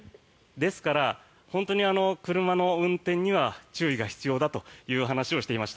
ですから、本当に車の運転には注意が必要だという話をしていました。